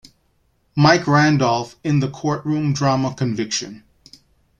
Mike Randolf in the courtroom drama "Conviction".